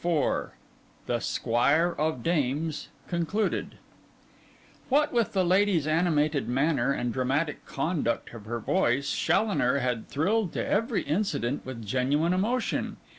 THE SQUIRE OF DAMES (Concluded) What with the lady's animated manner and dramatic conduct of her voice, Challoner had thrilled to every incident with genuine emotion.